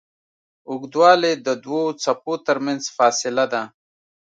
اوږدوالی د دوو څپو تر منځ فاصله ده.